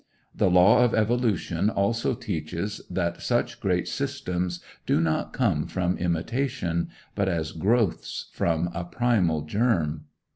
The law of evolution also teaches that such great systems do not come from imitation, but as growths from a primal germ.